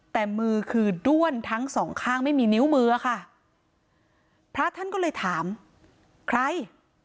แต่มือคือด้วนทั้งสองข้างไม่มีนิ้วมือค่ะพระท่านก็เลยถามใคร